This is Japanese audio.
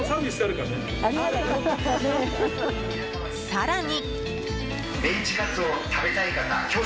更に。